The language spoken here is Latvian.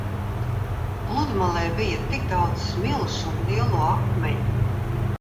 Pludmalē bija tik daudz smilšu un lielo akmeņu.